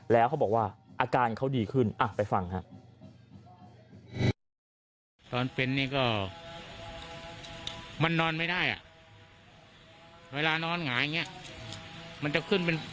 แล้วเขาบอกว่าอาการเขาดีขึ้นไปฟังครับ